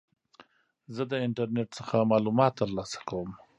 زه د انټرنیټ څخه معلومات ترلاسه کوم.